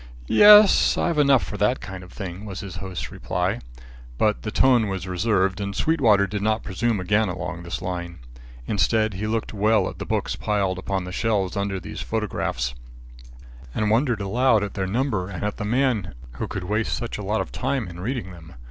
"Yes, I've enough for that kind of thing," was his host's reply. But the tone was reserved, and Sweetwater did not presume again along this line. Instead, he looked well at the books piled upon the shelves under these photographs, and wondered aloud at their number and at the man who could waste such a lot of time in reading them.